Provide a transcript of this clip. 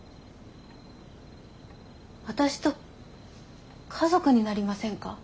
私と家族になりませんか？